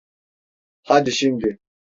Hadi şimdi!